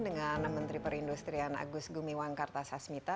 dengan menteri perindustrian agus gumiwangkarta sasmita